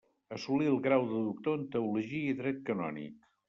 Assolí el grau de doctor en teologia i dret canònic.